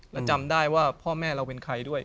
เราจำได้ว่าพ่อแม่เราเป็นใครด้วย